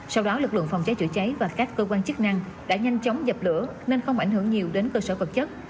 sau đó lực lượng phòng cháy chữa cháy và các cơ quan chức năng đã nhanh chóng dập lửa nên không ảnh hưởng nhiều đến cơ sở vật chất